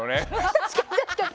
確かに、確かに！